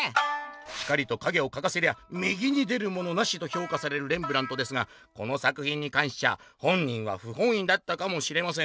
「『光と影を描かせりゃ右に出るものなし！』とひょうかされるレンブラントですがこの作ひんにかんしちゃ本人はふほんいだったかもしれません」。